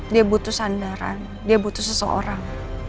dia butuh sandaran dia butuh seseorang